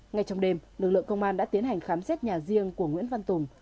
ngay trong đêm lực lượng công an đã tiến hành khám xét nhà riêng của nguyễn văn tùng